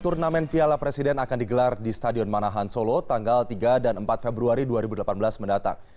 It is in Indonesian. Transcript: turnamen piala presiden akan digelar di stadion manahan solo tanggal tiga dan empat februari dua ribu delapan belas mendatang